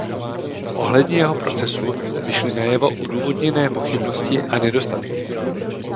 Ohledně jeho procesu vyšly najevo odůvodněné pochybnosti a nedostatky.